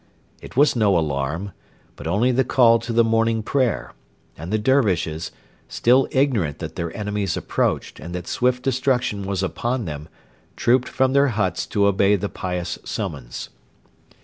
It was no alarm, but only the call to the morning prayer; and the Dervishes, still ignorant that their enemies approached and that swift destruction was upon them, trooped from their huts to obey the pious summons.